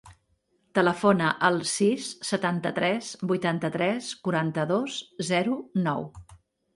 Telefona al sis, setanta-tres, vuitanta-tres, quaranta-dos, zero, nou.